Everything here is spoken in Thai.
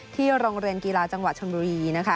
ที่โรงเรียนกีฬาจังหวัดชนบุรี